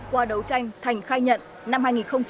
qua đấu tranh thành khai nhận năm hai nghìn một mươi